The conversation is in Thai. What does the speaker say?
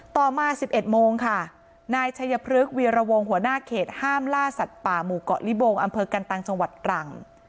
ต่อมา๑๑โมงค่ะนายชัยพฤกษวีรวงหัวหน้าเขตห้ามล่าสัตว์ป่าหมู่เกาะลิบงอำเภอกันตังจังหวัดตรัง